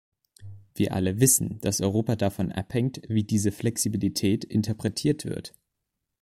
Wir alle wissen, dass Europa davon abhängt, wie diese Flexibilität interpretiert wird.